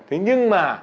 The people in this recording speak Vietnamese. thế nhưng mà